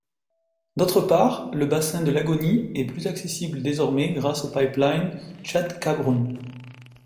D'autre part, le bassin de Lagoni est plus accessible désormais grâce au pipeline Tchad-Cameroun.